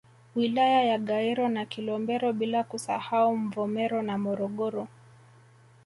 Wilaya ya Gairo na Kilombero bila kusahau Mvomero na Morogoro